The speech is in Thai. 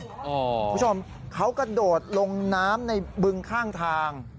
คุณผู้ชมเขากระโดดลงน้ำในบึงข้างทาง